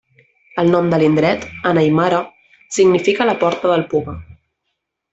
El nom de l'indret, en aimara, significa 'la porta del puma'.